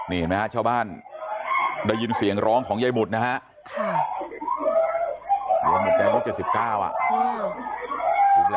นี่นะชาวบ้านได้ยินเสียงร้องของใยหมุดนะฮะ